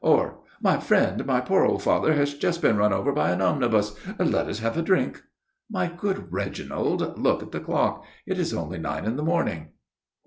Or, 'My friend, my poor old father has just been run over by an omnibus; let us have a drink.' My good Reginald, look at the clock. It is only nine in the morning."